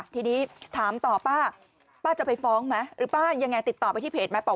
ทีนี้ถามต่อป้าป้าจะไปฟ้องไหมหรือป้ายังไงติดต่อไปที่เพจไหม